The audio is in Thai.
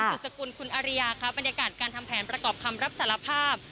สุดสกุลคุณอริยาครับบรรยากาศการทำแผนประกอบคำรับสารภาพ